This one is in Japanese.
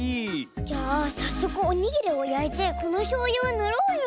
じゃあさっそくおにぎりをやいてこのしょうゆをぬろうよ。